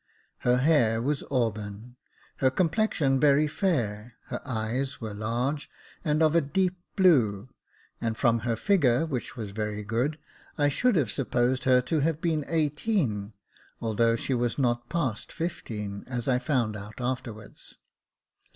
Her hair was auburn — her complexion very fair, her eyes were large, and of a deep blue, and from her figure, which was very good, I should have supposed her to have been eighteen, although she was not past fifteen, as I found out afterwards.